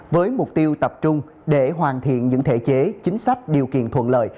với mục tiêu tập trung để hoàn thiện những thể chế chính sách điều kiện thuận lợi